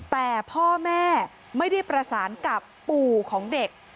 แต่พ่อแม่ไม่ได้ประสานกับปู่ของเด็ก